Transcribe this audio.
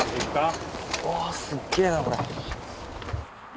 おーすっげえなこれ。